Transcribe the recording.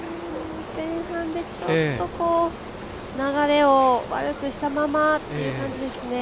前半でちょっと流れを悪くしたままという感じですね。